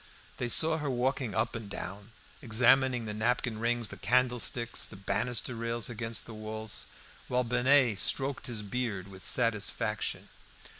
They saw her walking up and down, examining the napkin rings, the candlesticks, the banister rails against the walls, while Binet stroked his beard with satisfaction.